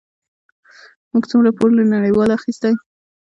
موږ څومره پور له نړیوالو اخیستی؟